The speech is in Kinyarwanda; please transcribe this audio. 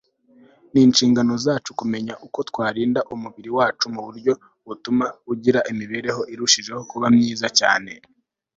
ni inshingano yacu kumenya uko twarinda umubiri wacu mu buryo butuma ugira imibereho irushijeho kuba myiza cyane